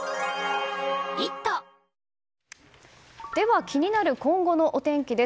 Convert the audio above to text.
では、気になる今後のお天気です。